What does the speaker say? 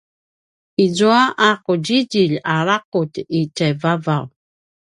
izua a qudjidjilj a laqulj i tjaivavaw